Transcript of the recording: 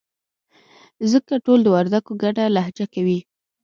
ځکه ټول د وردگو گډه لهجه کوي.